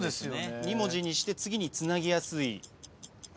２文字にして次につなぎやすい。